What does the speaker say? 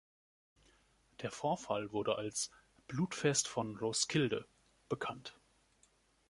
Der Vorfall wurde als „Blutfest von Roskilde“ bekannt.